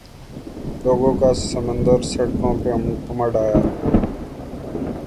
لوگوں کا سمندر سڑکوں پہ امڈآیا۔